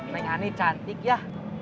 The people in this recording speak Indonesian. neng ane cantik ya